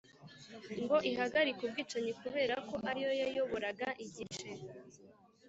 Ngo ihagarike ubwicanyi kubera ko ari yo yayoboraga igice